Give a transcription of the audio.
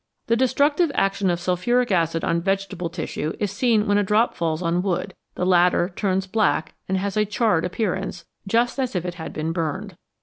The destructive action of sulphuric acid on vegetable tissue is seen when a drop falls on wood. The latter turns black and has a charred appearance, just as if it had been burned.